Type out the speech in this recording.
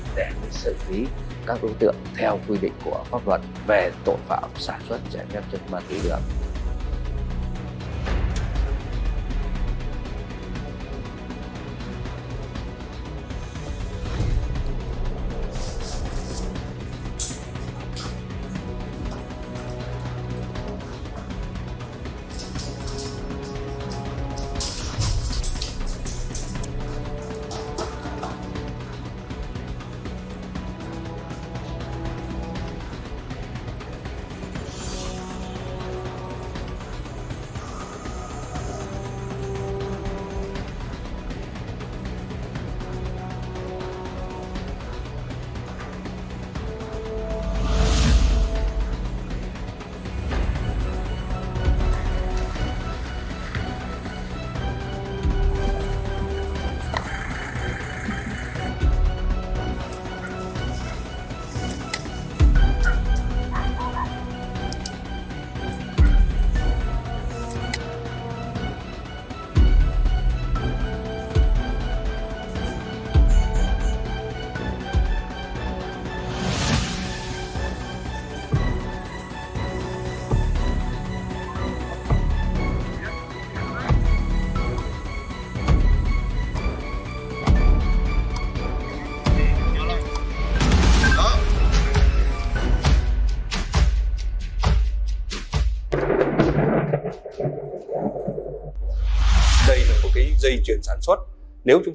để xử lý các đối tượng theo quy định của pháp luật về tội phạm sản xuất trẻ em chất mạng tỷ lượng